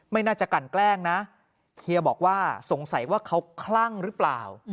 ไม่น่าจะกันแกล้งนะเฮียบอกว่าสงสัยว่าเขาคลั่งหรือเปล่า